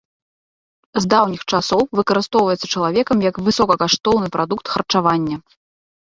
З даўніх часоў выкарыстоўваецца чалавекам як высокакаштоўны прадукт харчавання.